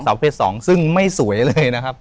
สาวเพชรสองซึ่งไม่สวยเลยนะครับ